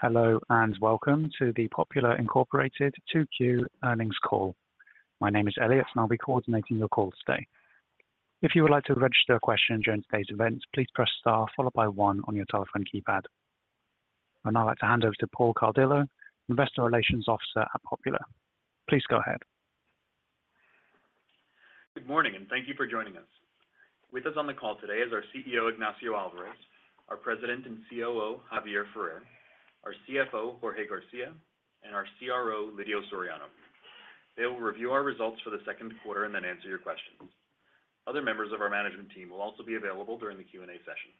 Hello, and welcome to the Popular Incorporated 2Q earnings call. My name is Elliot, and I'll be coordinating your call today. If you would like to register a question during today's event, please press star followed by one on your telephone keypad. I'd now like to hand over to Paul Cardillo, Investor Relations Officer at Popular. Please go ahead. Good morning, and thank you for joining us. With us on the call today is our CEO, Ignacio Alvarez, our President and COO, Javier Ferrer, our CFO, Jorge García, and our CRO, Lidio Soriano. They will review our results for the second quarter and then answer your questions. Other members of our management team will also be available during the Q&A session.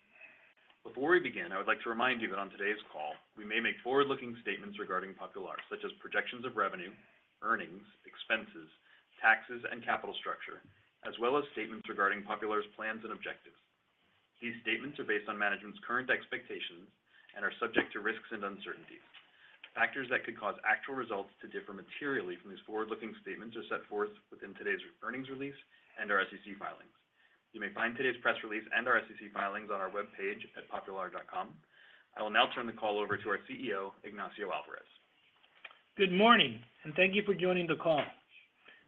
Before we begin, I would like to remind you that on today's call, we may make forward-looking statements regarding Popular, such as projections of revenue, earnings, expenses, taxes, and capital structure, as well as statements regarding Popular's plans and objectives. These statements are based on management's current expectations and are subject to risks and uncertainties. Factors that could cause actual results to differ materially from these forward-looking statements are set forth within today's earnings release and our SEC filings. You may find today's press release and our SEC filings on our web page at popular.com. I will now turn the call over to our CEO, Ignacio Alvarez. Good morning, and thank you for joining the call.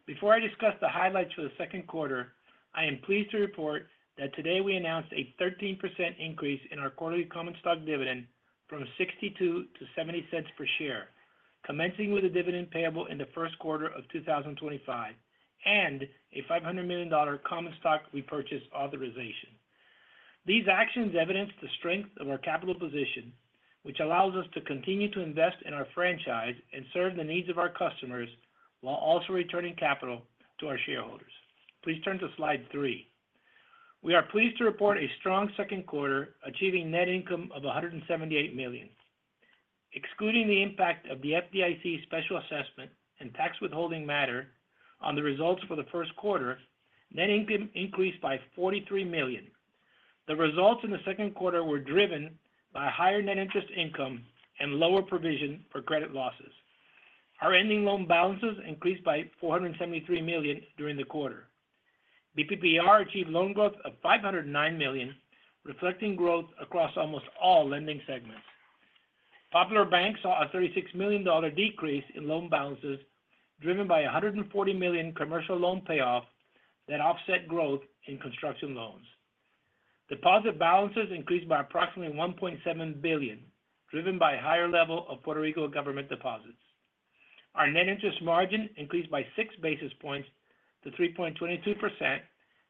Before I discuss the highlights for the second quarter, I am pleased to report that today we announced a 13% increase in our quarterly common stock dividend from $0.62-$0.70 per share, commencing with a dividend payable in the first quarter of 2025 and a $500 million common stock repurchase authorization. These actions evidence the strength of our capital position, which allows us to continue to invest in our franchise and serve the needs of our customers while also returning capital to our shareholders. Please turn to slide three. We are pleased to report a strong second quarter, achieving net income of $178 million. Excluding the impact of the FDIC special assessment and tax withholding matter on the results for the first quarter, net income increased by $43 million. The results in the second quarter were driven by higher net interest income and lower provision for credit losses. Our ending loan balances increased by $473 million during the quarter. BPPR achieved loan growth of $509 million, reflecting growth across almost all lending segments. Popular Bank saw a $36 million decrease in loan balances driven by $140 million commercial loan payoff that offset growth in construction loans. Deposit balances increased by approximately $1.7 billion, driven by a higher level of Puerto Rico government deposits. Our net interest margin increased by six basis points to 3.22%,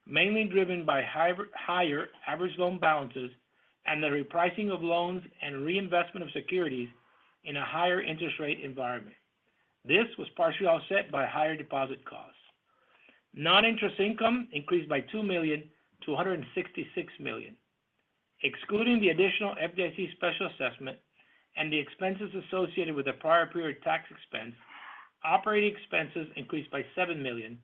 mainly driven by higher average loan balances and the repricing of loans and reinvestment of securities in a higher interest rate environment. This was partially offset by higher deposit costs. Non-interest income increased by $2 million to $166 million. Excluding the additional FDIC special assessment and the expenses associated with the prior period tax expense, operating expenses increased by $7 million,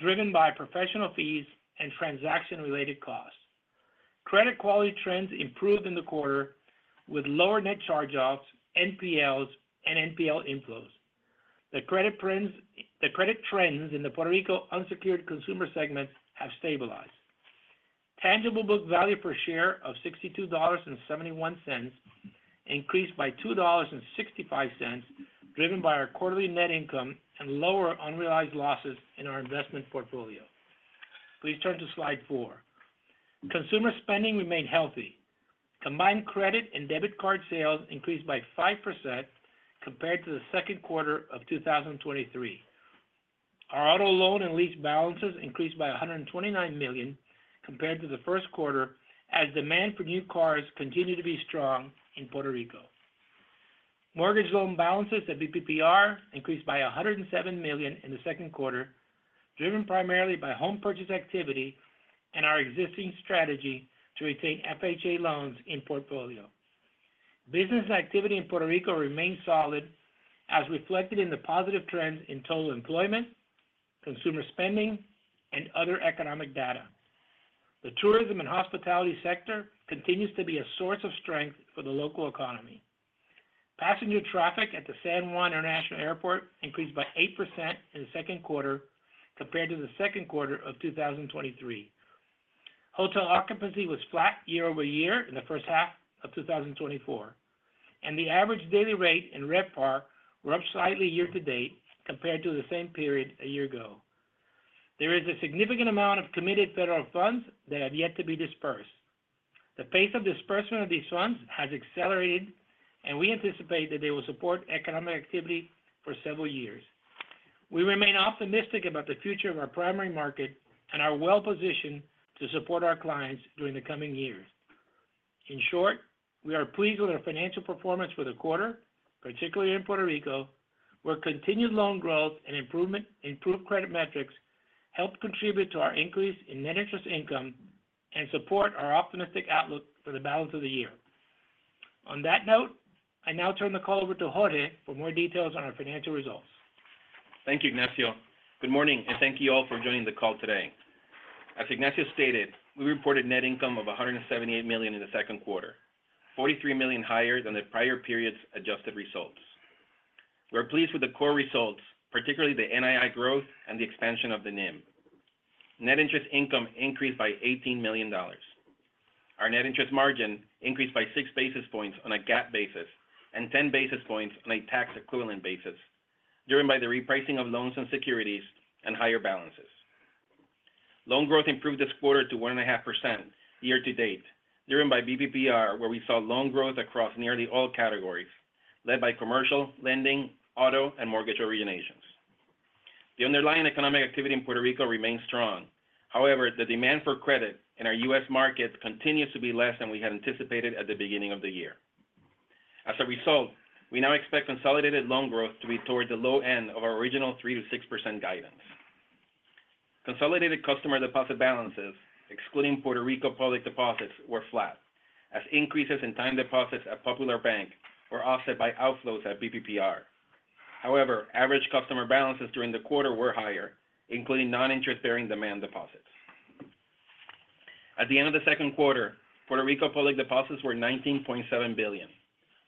driven by professional fees and transaction-related costs. Credit quality trends improved in the quarter with lower net charge-offs, NPLs, and NPL inflows. The credit trends in the Puerto Rico unsecured consumer segment have stabilized. Tangible book value per share of $62.71 increased by $2.65, driven by our quarterly net income and lower unrealized losses in our investment portfolio. Please turn to slide four. Consumer spending remained healthy. Combined credit and debit card sales increased by 5% compared to the second quarter of 2023. Our auto loan and lease balances increased by $129 million compared to the first quarter as demand for new cars continued to be strong in Puerto Rico. Mortgage loan balances at BPPR increased by $107 million in the second quarter, driven primarily by home purchase activity and our existing strategy to retain FHA loans in portfolio. Business activity in Puerto Rico remained solid, as reflected in the positive trends in total employment, consumer spending, and other economic data. The tourism and hospitality sector continues to be a source of strength for the local economy. Passenger traffic at the San Juan International Airport increased by 8% in the second quarter compared to the second quarter of 2023. Hotel occupancy was flat year-over-year in the first half of 2024, and the average daily rate in RevPAR rose slightly year-to-date compared to the same period a year ago. There is a significant amount of committed federal funds that have yet to be dispersed. The pace of disbursement of these funds has accelerated, and we anticipate that they will support economic activity for several years. We remain optimistic about the future of our primary market and are well-positioned to support our clients during the coming years. In short, we are pleased with our financial performance for the quarter, particularly in Puerto Rico, where continued loan growth and improved credit metrics helped contribute to our increase in net interest income and support our optimistic outlook for the balance of the year. On that note, I now turn the call over to Jorge for more details on our financial results. Thank you, Ignacio. Good morning, and thank you all for joining the call today. As Ignacio stated, we reported net income of $178 million in the second quarter, $43 million higher than the prior period's adjusted results. We are pleased with the core results, particularly the NII growth and the expansion of the NIM. Net interest income increased by $18 million. Our net interest margin increased by six basis points on a GAAP basis and 10 basis points on a tax-equivalent basis, driven by the repricing of loans and securities and higher balances. Loan growth improved this quarter to 1.5% year-to-date, driven by BPPR, where we saw loan growth across nearly all categories, led by commercial lending, auto, and mortgage originations. The underlying economic activity in Puerto Rico remains strong. However, the demand for credit in our U.S. Market continues to be less than we had anticipated at the beginning of the year. As a result, we now expect consolidated loan growth to be toward the low end of our original 3%-6% guidance. Consolidated customer deposit balances, excluding Puerto Rico public deposits, were flat, as increases in time deposits at Popular Bank were offset by outflows at BPPR. However, average customer balances during the quarter were higher, including non-interest-bearing demand deposits. At the end of the second quarter, Puerto Rico public deposits were $19.7 billion,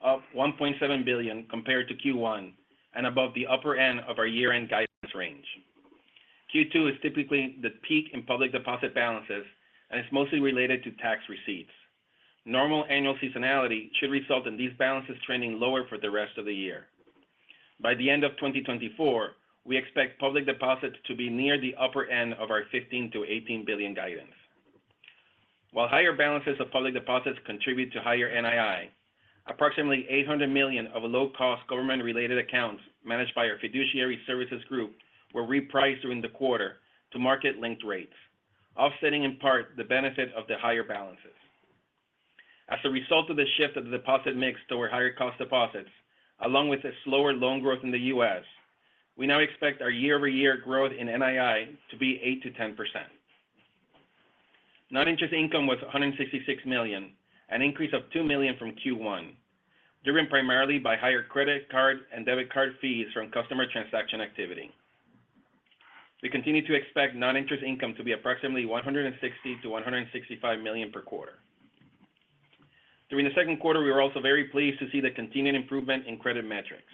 up $1.7 billion compared to Q1, and above the upper end of our year-end guidance range. Q2 is typically the peak in public deposit balances, and it's mostly related to tax receipts. Normal annual seasonality should result in these balances trending lower for the rest of the year. By the end of 2024, we expect public deposits to be near the upper end of our $15-$18 billion guidance. While higher balances of public deposits contribute to higher NII, approximately $800 million of low-cost government-related accounts managed by our fiduciary services group were repriced during the quarter to market-linked rates, offsetting in part the benefit of the higher balances. As a result of the shift of the deposit mix toward higher-cost deposits, along with the slower loan growth in the U.S., we now expect our year-over-year growth in NII to be 8%-10%. Non-interest income was $166 million, an increase of $2 million from Q1, driven primarily by higher credit card and debit card fees from customer transaction activity. We continue to expect non-interest income to be approximately $160-$165 million per quarter. During the second quarter, we were also very pleased to see the continued improvement in credit metrics.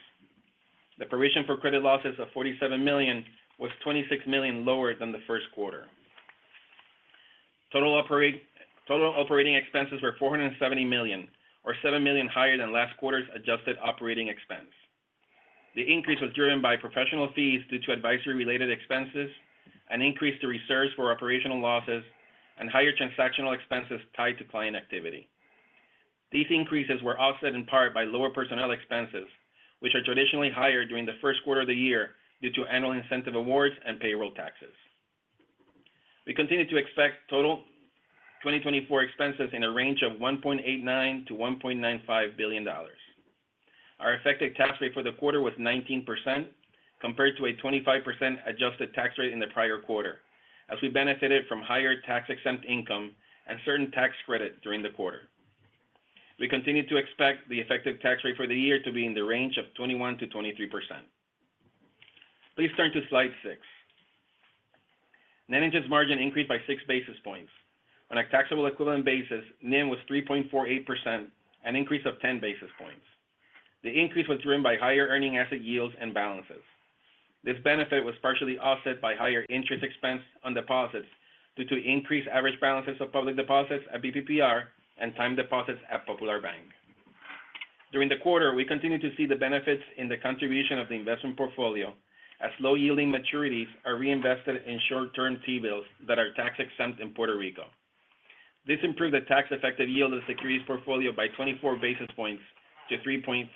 The provision for credit losses of $47 million was $26 million lower than the first quarter. Total operating expenses were $470 million, or $7 million higher than last quarter's adjusted operating expense. The increase was driven by professional fees due to advisory-related expenses, an increase to reserves for operational losses, and higher transactional expenses tied to client activity. These increases were offset in part by lower personnel expenses, which are traditionally higher during the first quarter of the year due to annual incentive awards and payroll taxes. We continue to expect total 2024 expenses in a range of $1.89-$1.95 billion. Our effective tax rate for the quarter was 19%, compared to a 25% adjusted tax rate in the prior quarter, as we benefited from higher tax-exempt income and certain tax credits during the quarter. We continue to expect the effective tax rate for the year to be in the range of 21%-23%. Please turn to slide six. Net interest margin increased by six basis points. On a taxable equivalent basis, NIM was 3.48%, an increase of 10 basis points. The increase was driven by higher earning asset yields and balances. This benefit was partially offset by higher interest expense on deposits due to increased average balances of public deposits at BPPR and time deposits at Popular Bank. During the quarter, we continue to see the benefits in the contribution of the investment portfolio, as low-yielding maturities are reinvested in short-term T-Bills that are tax-exempt in Puerto Rico. This improved the tax-effective yield of the securities portfolio by 24 basis points to 3.47%.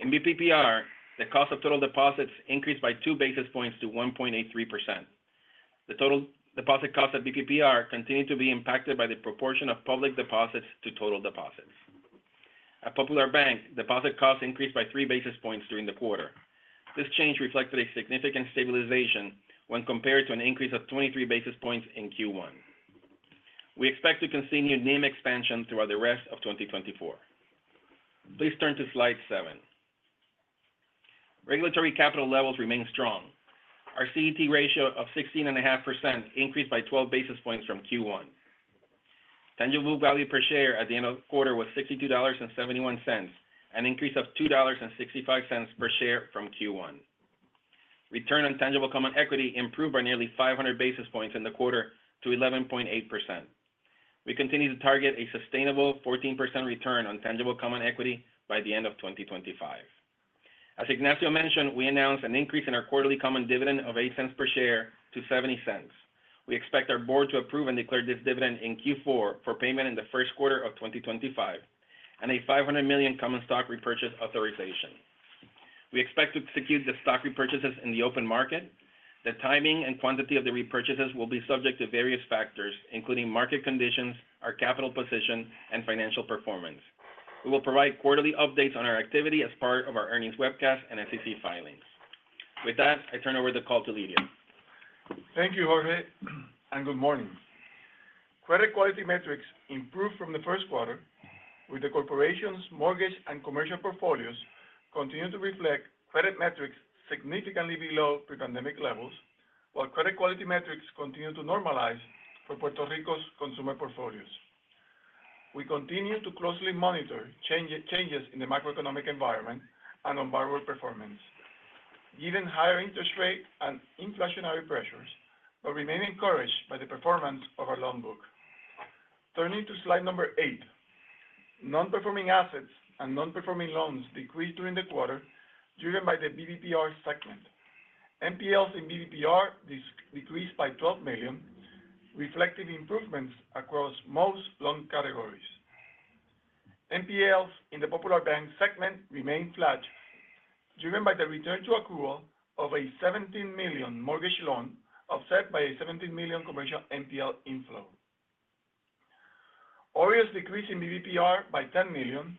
In BPPR, the cost of total deposits increased by two basis points to 1.83%. The total deposit cost at BPPR continued to be impacted by the proportion of public deposits to total deposits. At Popular Bank, deposit costs increased by three basis points during the quarter. This change reflected a significant stabilization when compared to an increase of 23 basis points in Q1. We expect to continue NIM expansion throughout the rest of 2024. Please turn to slide seven. Regulatory capital levels remain strong. Our CET1 ratio of 16.5% increased by 12 basis points from Q1. Tangible book value per share at the end of the quarter was $62.71, an increase of $2.65 per share from Q1. Return on tangible common equity improved by nearly 500 basis points in the quarter to 11.8%. We continue to target a sustainable 14% return on tangible common equity by the end of 2025. As Ignacio mentioned, we announced an increase in our quarterly common dividend of $0.08 per share to $0.70. We expect our board to approve and declare this dividend in Q4 for payment in the first quarter of 2025, and a $500 million common stock repurchase authorization. We expect to execute the stock repurchases in the open market. The timing and quantity of the repurchases will be subject to various factors, including market conditions, our capital position, and financial performance. We will provide quarterly updates on our activity as part of our earnings webcast and SEC filings. With that, I turn over the call to Lidio. Thank you, Jorge, and good morning. Credit quality metrics improved from the first quarter, with the corporation's mortgage and commercial portfolios continuing to reflect credit metrics significantly below pre-pandemic levels, while credit quality metrics continued to normalize for Puerto Rico's consumer portfolios. We continue to closely monitor changes in the macroeconomic environment and on borrower performance. Given higher interest rates and inflationary pressures, we remain encouraged by the performance of our loan book. Turning to slide eight, non-performing assets and non-performing loans decreased during the quarter, driven by the BPPR segment. NPLs in BPPR decreased by $12 million, reflecting improvements across most loan categories. NPLs in the Popular Bank segment remained flat, driven by the return to accrual of a $17 million mortgage loan offset by a $17 million commercial NPL inflow. OREOs decreased in BPPR by $10 million,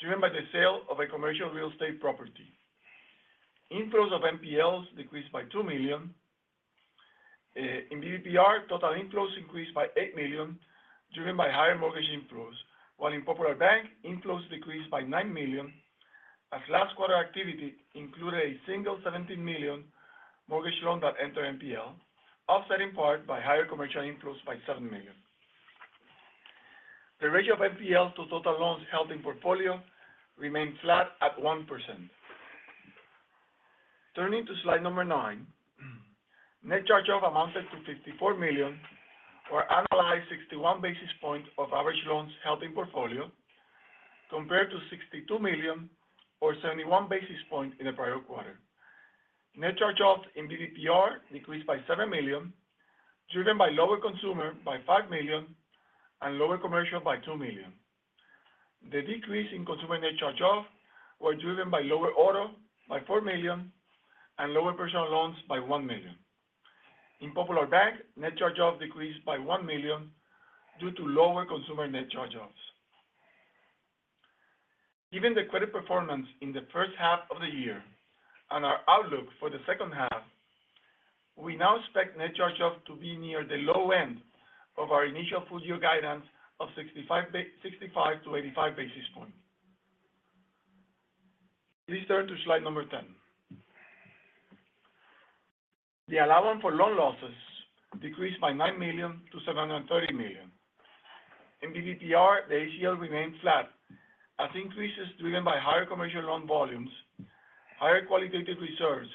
driven by the sale of a commercial real estate property. Inflows of NPLs decreased by $2 million. In BPPR, total inflows increased by $8 million, driven by higher mortgage inflows, while in Popular Bank, inflows decreased by $9 million, as last quarter activity included a single $17 million mortgage loan that entered NPL, offset in part by higher commercial inflows by $7 million. The ratio of NPLs to total loans held in portfolio remained flat at 1%. Turning to slide nine, net charge-off amounted to $54 million, or annualized 61 basis points of average loans held in portfolio, compared to $62 million, or 71 basis points in the prior quarter. Net charge-off in BPPR decreased by $7 million, driven by lower consumer by $5 million and lower commercial by $2 million. The decrease in consumer net charge-off was driven by lower auto by $4 million and lower personal loans by $1 million. In Popular Bank, net charge-off decreased by $1 million due to lower consumer net charge-offs. Given the credit performance in the first half of the year and our outlook for the second half, we now expect net charge-off to be near the low end of our initial full-year guidance of 65-85 basis points. Please turn to slide number 10. The allowance for loan losses decreased by $9 million to $730 million. In BPPR, the ACL remained flat, as increases driven by higher commercial loan volumes, higher qualitative reserves,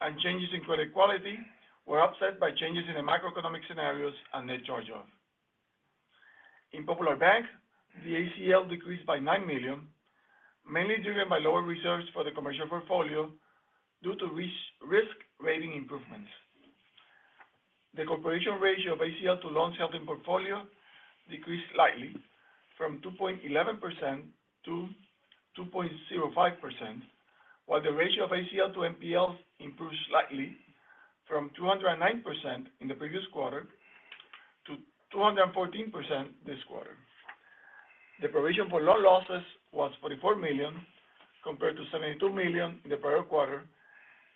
and changes in credit quality were offset by changes in the macroeconomic scenarios and net charge-off. In Popular Bank, the ACL decreased by $9 million, mainly driven by lower reserves for the commercial portfolio due to risk-rating improvements. The coverage ratio of ACL to loans held in portfolio decreased slightly, from 2.11%-2.05%, while the ratio of ACL to NPLs improved slightly, from 209% in the previous quarter to 214% this quarter. The provision for loan losses was $44 million, compared to $72 million in the prior quarter,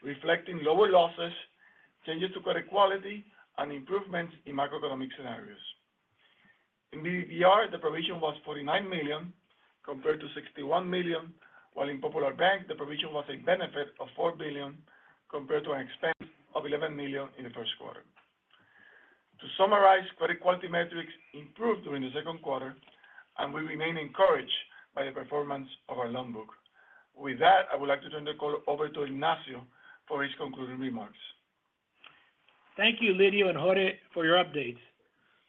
reflecting lower losses, changes to credit quality, and improvements in macroeconomic scenarios. In BPPR, the provision was $49 million, compared to $61 million, while in Popular Bank, the provision was a benefit of $4 billion, compared to an expense of $11 million in the first quarter. To summarize, credit quality metrics improved during the second quarter, and we remain encouraged by the performance of our loan book. With that, I would like to turn the call over to Ignacio for his concluding remarks. Thank you, Lidio and Jorge, for your updates.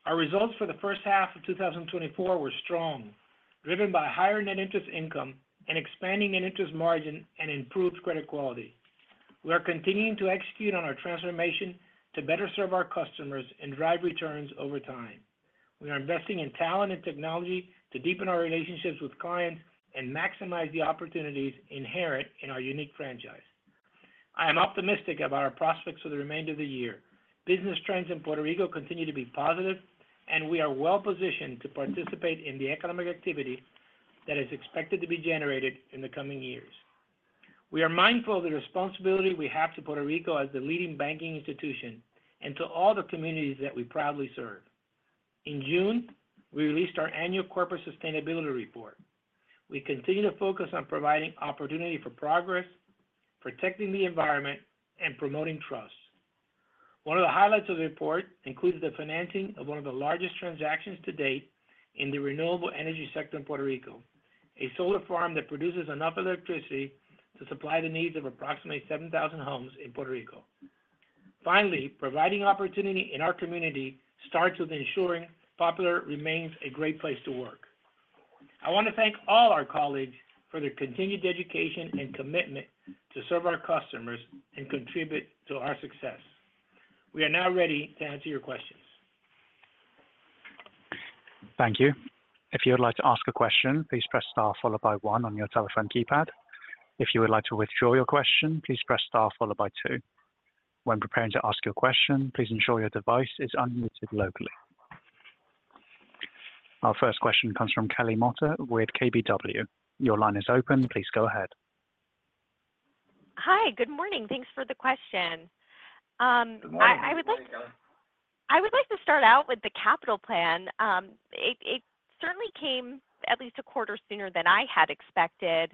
Our results for the first half of 2024 were strong, driven by higher net interest income, an expanding net interest margin, and improved credit quality. We are continuing to execute on our transformation to better serve our customers and drive returns over time. We are investing in talent and technology to deepen our relationships with clients and maximize the opportunities inherent in our unique franchise. I am optimistic about our prospects for the remainder of the year. Business trends in Puerto Rico continue to be positive, and we are well-positioned to participate in the economic activity that is expected to be generated in the coming years. We are mindful of the responsibility we have to Puerto Rico as the leading banking institution and to all the communities that we proudly serve. In June, we released our annual corporate sustainability report. We continue to focus on providing opportunity for progress, protecting the environment, and promoting trust. One of the highlights of the report includes the financing of one of the largest transactions to date in the renewable energy sector in Puerto Rico, a solar farm that produces enough electricity to supply the needs of approximately 7,000 homes in Puerto Rico. Finally, providing opportunity in our community starts with ensuring Popular remains a great place to work. I want to thank all our colleagues for their continued dedication and commitment to serve our customers and contribute to our success. We are now ready to answer your questions. Thank you. If you would like to ask a question, please press star followed by one on your telephone keypad. If you would like to withdraw your question, please press star followed by two. When preparing to ask your question, please ensure your device is unmuted locally. Our first question comes from Kelly Motta with KBW. Your line is open. Please go ahead. Hi, good morning. Thanks for the question. I would like to start out with the capital plan. It certainly came at least a quarter sooner than I had expected.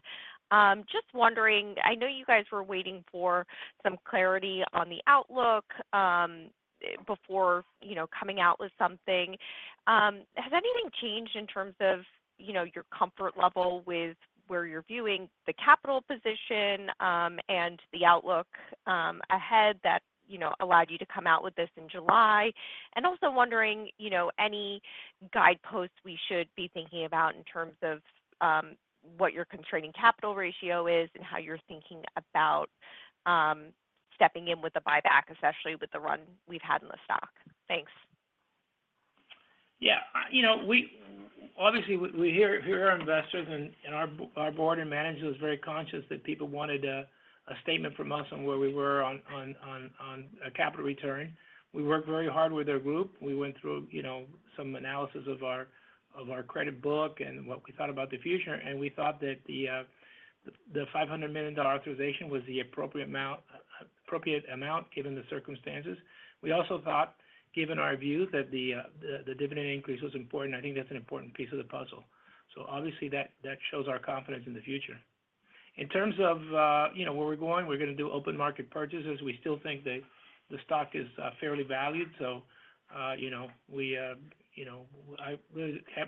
Just wondering, I know you guys were waiting for some clarity on the outlook before coming out with something. Has anything changed in terms of your comfort level with where you're viewing the capital position and the outlook ahead that allowed you to come out with this in July? And also wondering, any guideposts we should be thinking about in terms of what your constraining capital ratio is and how you're thinking about stepping in with a buyback, especially with the run we've had in the stock? Thanks. Yeah. Obviously, we hear our investors, and our board and managers were very conscious that people wanted a statement from us on where we were on capital return. We worked very hard with our group. We went through some analysis of our credit book and what we thought about the future, and we thought that the $500 million authorization was the appropriate amount given the circumstances. We also thought, given our view, that the dividend increase was important. I think that's an important piece of the puzzle. Obviously, that shows our confidence in the future. In terms of where we're going, we're going to do open market purchases. We still think that the stock is fairly valued, so we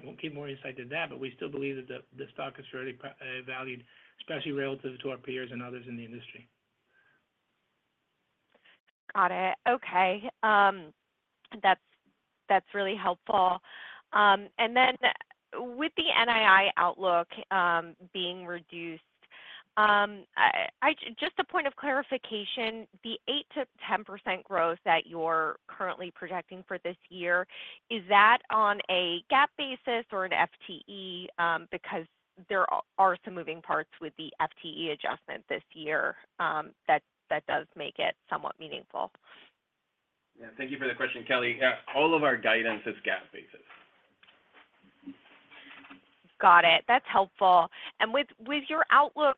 won't give more insight than that, but we still believe that the stock is fairly valued, especially relative to our peers and others in the industry. Got it. Okay. That's really helpful. And then with the NII outlook being reduced, just a point of clarification, the 8%-10% growth that you're currently projecting for this year, is that on a GAAP basis or an FTE? Because there are some moving parts with the FTE adjustment this year that does make it somewhat meaningful. Yeah. Thank you for the question, Kelly. All of our guidance is GAAP basis. Got it. That's helpful. And with your outlook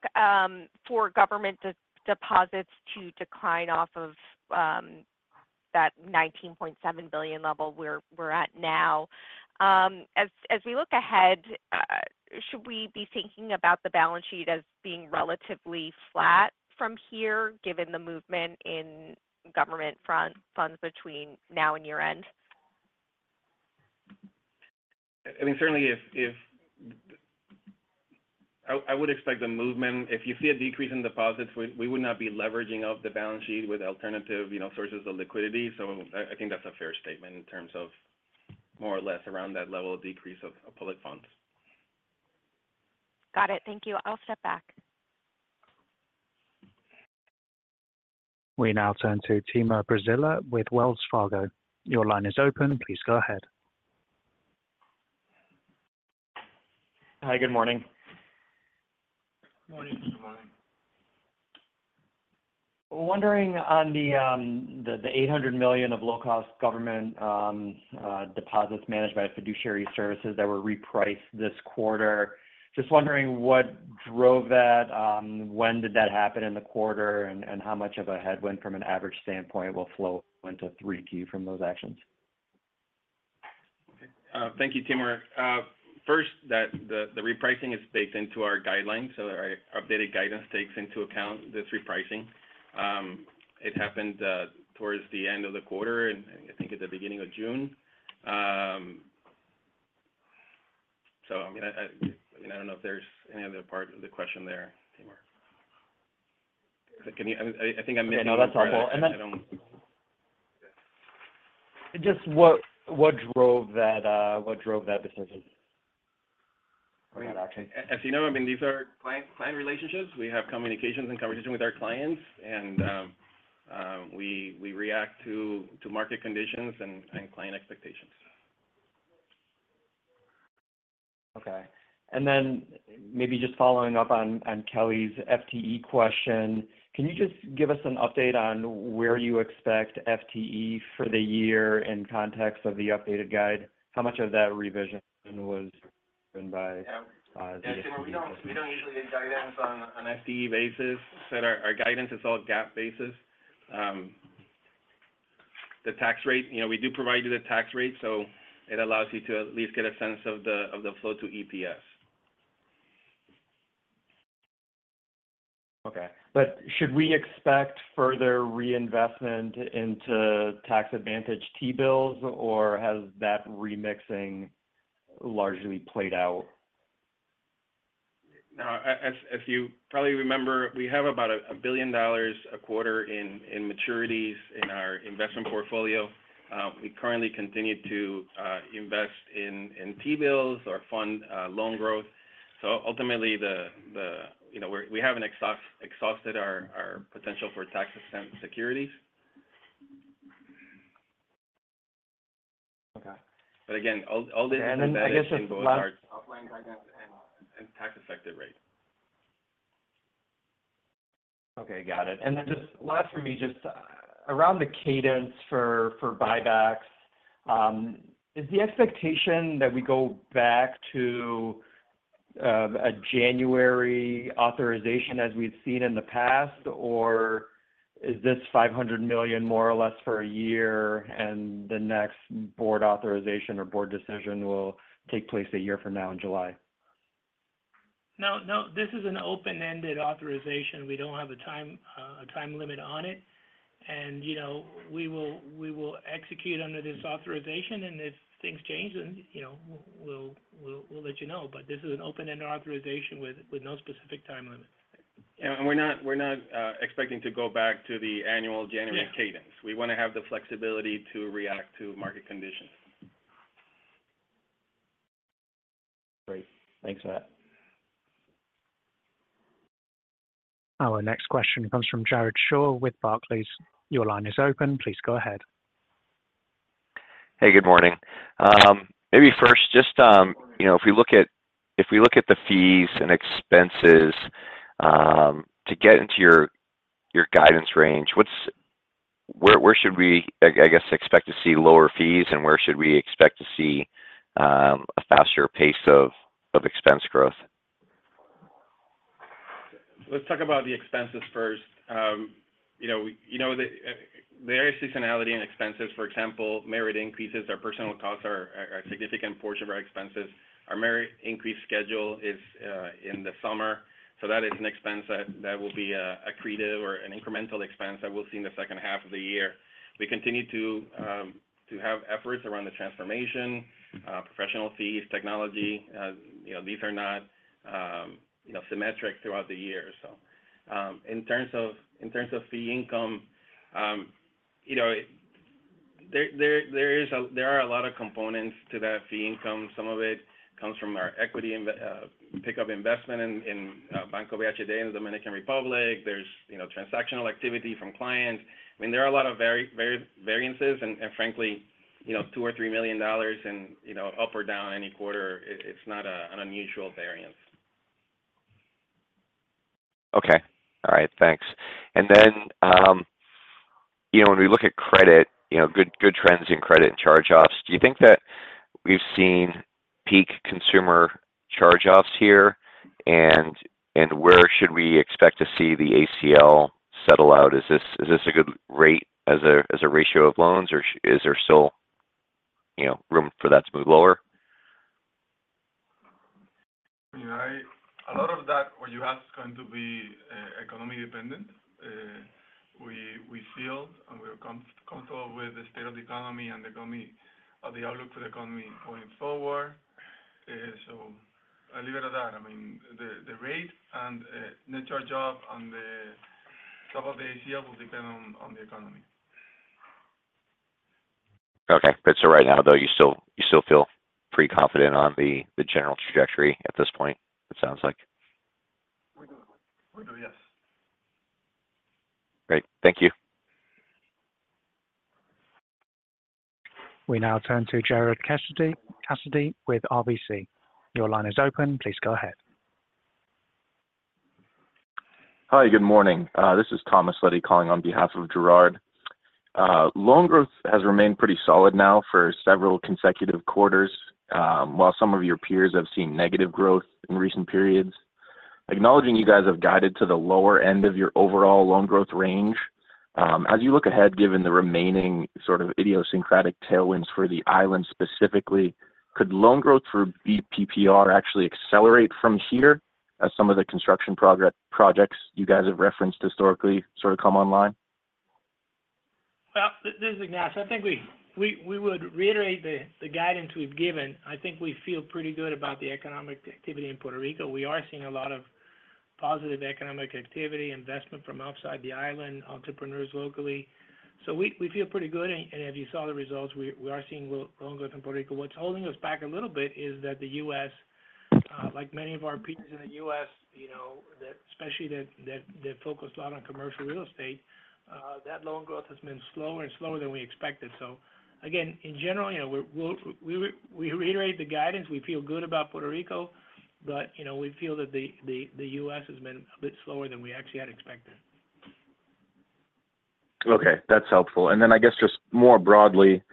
for government deposits to decline off of that $19.7 billion level we're at now, as we look ahead, should we be thinking about the balance sheet as being relatively flat from here, given the movement in government funds between now and year-end? I mean, certainly, I would expect the movement. If you see a decrease in deposits, we would not be leveraging out the balance sheet with alternative sources of liquidity. So I think that's a fair statement in terms of more or less around that level of decrease of public funds. Got it. Thank you. I'll step back. We now turn to Timur Braziler with Wells Fargo. Your line is open. Please go ahead. Hi, good morning. Good morning. Good morning. Wondering on the $800 million of low-cost government deposits managed by fiduciary services that were repriced this quarter. Just wondering what drove that, when did that happen in the quarter, and how much of a headwind from an average standpoint will flow into 3Q from those actions? Thank you, Timur. First, the repricing is baked into our guidelines, so our updated guidance takes into account this repricing. It happened towards the end of the quarter, and I think at the beginning of June. So I mean, I don't know if there's any other part of the question there, Timur. I think I missed a couple of things. No, that's helpful. Just what drove that decision? As you know, I mean, these are client relationships. We have communications and conversations with our clients, and we react to market conditions and client expectations. Okay. And then maybe just following up on Kelly's FTE question, can you just give us an update on where you expect FTE for the year in context of the updated guide? How much of that revision was driven by the FTE? We don't usually get guidance on an FTE basis. Our guidance is all GAAP basis. The tax rate, we do provide you the tax rate, so it allows you to at least get a sense of the flow to EPS. Okay. But should we expect further reinvestment into tax-advantaged T-Bills, or has that remixing largely played out? No. As you probably remember, we have about $1 billion a quarter in maturities in our investment portfolio. We currently continue to invest in T-bills or fund loan growth. So ultimately, we haven't exhausted our potential for tax-exempt securities. Okay. But again, all this is invested in both our tax-effective rate. Okay. Got it. And then just last for me, just around the cadence for buybacks, is the expectation that we go back to a January authorization as we've seen in the past, or is this $500 million more or less for a year, and the next board authorization or board decision will take place a year from now in July? No, no. This is an open-ended authorization. We don't have a time limit on it. And we will execute under this authorization, and if things change, then we'll let you know. But this is an open-ended authorization with no specific time limit. Yeah. And we're not expecting to go back to the annual January cadence. We want to have the flexibility to react to market conditions. Great. Thanks for that. Our next question comes from Jared Shaw with Barclays. Your line is open. Please go ahead. Hey, good morning. Maybe first, just if we look at the fees and expenses to get into your guidance range, where should we, I guess, expect to see lower fees, and where should we expect to see a faster pace of expense growth? Let's talk about the expenses first. The area of seasonality and expenses, for example, merit increases. Our personnel costs are a significant portion of our expenses. Our merit increase schedule is in the summer, so that is an expense that will be a discretionary or an incremental expense that we'll see in the second half of the year. We continue to have efforts around the transformation, professional fees, technology. These are not symmetric throughout the year. So in terms of fee income, there are a lot of components to that fee income. Some of it comes from our equity pickup investment in Banco BHD in the Dominican Republic. There's transactional activity from clients. I mean, there are a lot of variances, and frankly, $2-$3 million and up or down any quarter, it's not an unusual variance. Okay. All right. Thanks. And then when we look at credit, good trends in credit and charge-offs, do you think that we've seen peak consumer charge-offs here, and where should we expect to see the ACL settle out? Is this a good rate as a ratio of loans, or is there still room for that to move lower? A lot of that, what you asked, is going to be economy-dependent. We feel and we're comfortable with the state of the economy and the outlook for the economy going forward. So I leave it at that. I mean, the rate and net charge-off on the top of the ACL will depend on the economy. Okay. But so right now, though, you still feel pretty confident on the general trajectory at this point, it sounds like? We do. We do, yes. Great. Thank you. We now turn to Gerard Cassidy with RBC. Your line is open. Please go ahead. Hi, good morning. This is Thomas Leddy calling on behalf of Gerard. Loan growth has remained pretty solid now for several consecutive quarters, while some of your peers have seen negative growth in recent periods. Acknowledging you guys have guided to the lower end of your overall loan growth range, as you look ahead, given the remaining sort of idiosyncratic tailwinds for the island specifically, could loan growth for BPPR actually accelerate from here as some of the construction projects you guys have referenced historically sort of come online? Well, this is Ignacio. I think we would reiterate the guidance we've given. I think we feel pretty good about the economic activity in Puerto Rico. We are seeing a lot of positive economic activity, investment from outside the island, entrepreneurs locally. So we feel pretty good. And if you saw the results, we are seeing loan growth in Puerto Rico. What's holding us back a little bit is that the U.S., like many of our peers in the U.S., especially that focus a lot on commercial real estate, that loan growth has been slower and slower than we expected. So again, in general, we reiterate the guidance. We feel good about Puerto Rico, but we feel that the U.S. has been a bit slower than we actually had expected. Okay. That's helpful. And then I guess just more broadly,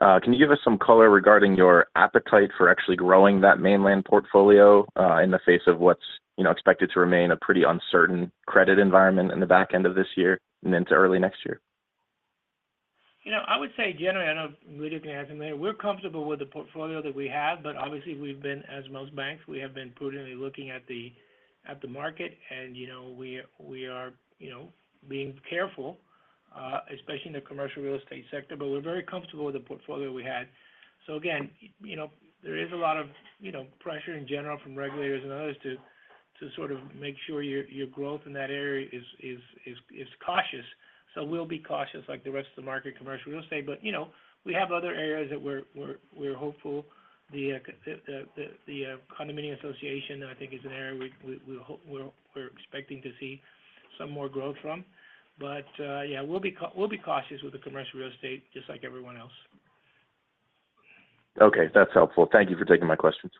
can you give us some color regarding your appetite for actually growing that mainland portfolio in the face of what's expected to remain a pretty uncertain credit environment in the back end of this year and into early next year? I would say, generally, I know we're comfortable with the portfolio that we have, but obviously, as most banks, we have been prudently looking at the market, and we are being careful, especially in the commercial real estate sector, but we're very comfortable with the portfolio we had. So again, there is a lot of pressure in general from regulators and others to sort of make sure your growth in that area is cautious. So we'll be cautious like the rest of the market, commercial real estate. But we have other areas that we're hopeful. The condominium association, I think, is an area we're expecting to see some more growth from. But yeah, we'll be cautious with the commercial real estate just like everyone else. Okay. That's helpful. Thank you for taking my questions.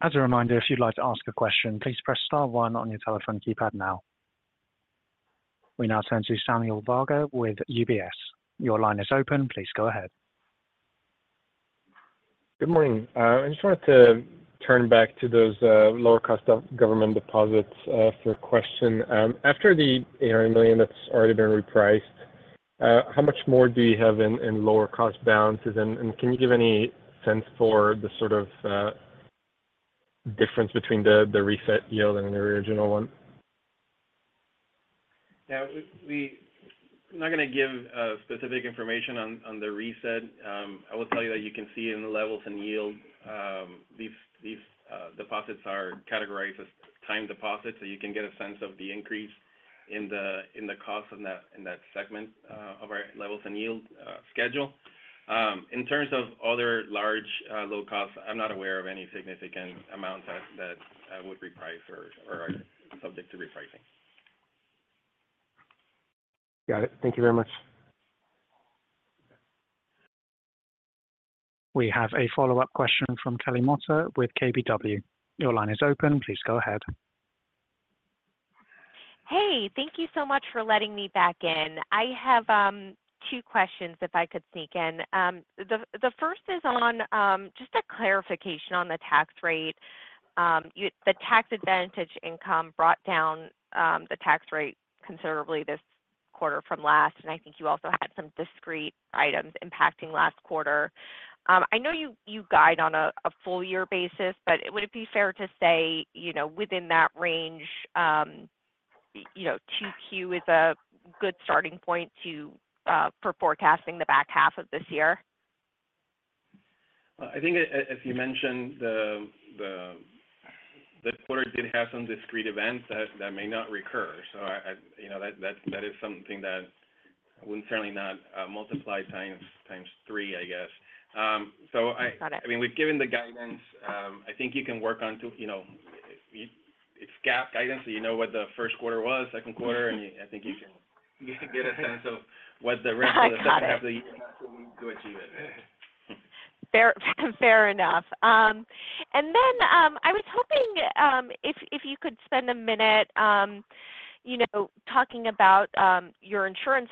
As a reminder, if you'd like to ask a question, please press star one on your telephone keypad now. We now turn to Samuel Vargo with UBS. Your line is open. Please go ahead. Good morning. I just wanted to turn back to those lower-cost government deposits for a question. After the $800 million that's already been repriced, how much more do you have in lower-cost balances, and can you give any sense for the sort of difference between the reset yield and the original one? Yeah. We're not going to give specific information on the reset. I will tell you that you can see in the levels and yield, these deposits are categorized as time deposits, so you can get a sense of the increase in the cost in that segment of our levels and yield schedule. In terms of other large low-cost, I'm not aware of any significant amounts that would reprice or are subject to repricing. Got it. Thank you very much. We have a follow-up question from Kelly Motta with KBW. Your line is open. Please go ahead. Hey, thank you so much for letting me back in. I have two questions if I could sneak in. The first is just a clarification on the tax rate. The tax-advantage income brought down the tax rate considerably this quarter from last, and I think you also had some discrete items impacting last quarter. I know you guide on a full-year basis, but would it be fair to say within that range, 2Q is a good starting point for forecasting the back half of this year? Well, I think, as you mentioned, the quarter did have some discrete events that may not recur. So that is something that wouldn't certainly not multiply times three, I guess. So I mean, we've given the guidance. I think you can work on its GAAP guidance, so you know what the first quarter was, second quarter, and I think you can get a sense of what the rest of the second half of the year has to achieve it. Fair enough. Then I was hoping if you could spend a minute talking about your insurance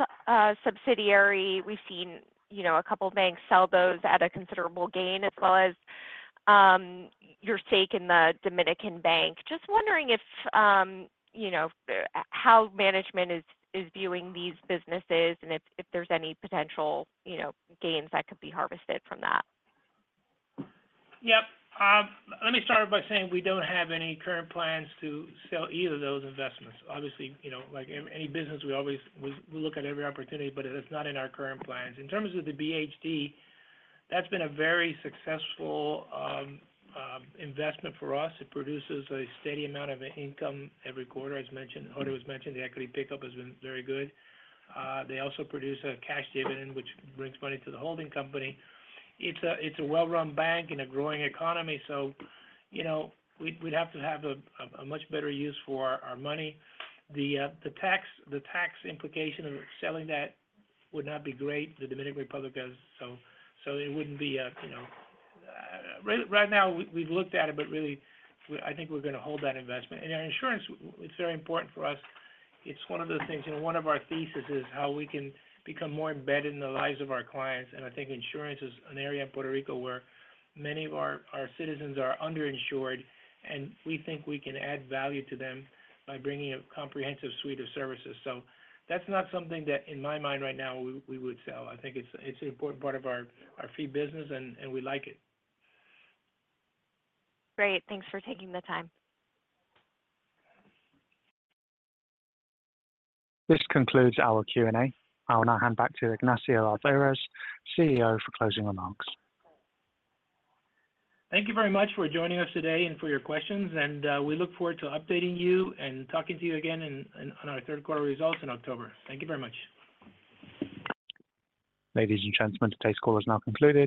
subsidiary. We've seen a couple of banks sell those at a considerable gain, as well as your stake in the Dominican Bank. Just wondering how management is viewing these businesses and if there's any potential gains that could be harvested from that. Yep. Let me start by saying we don't have any current plans to sell either of those investments. Obviously, like any business, we look at every opportunity, but it's not in our current plans. In terms of the BHD, that's been a very successful investment for us. It produces a steady amount of income every quarter, as Jorge was mentioning. The equity pickup has been very good. They also produce a cash dividend, which brings money to the holding company. It's a well-run bank in a growing economy, so we'd have to have a much better use for our money. The tax implication of selling that would not be great. The Dominican Republic does, so it wouldn't be right now. We've looked at it, but really, I think we're going to hold that investment. Our insurance, it's very important for us. It's one of those things. One of our theses is how we can become more embedded in the lives of our clients. I think insurance is an area in Puerto Rico where many of our citizens are underinsured, and we think we can add value to them by bringing a comprehensive suite of services. That's not something that, in my mind right now, we would sell. I think it's an important part of our fee business, and we like it. Great. Thanks for taking the time. This concludes our Q&A. I'll now hand back to Ignacio Alvarez, CEO, for closing remarks. Thank you very much for joining us today and for your questions. We look forward to updating you and talking to you again on our third-quarter results in October. Thank you very much. Ladies and gentlemen, today's call is now concluded.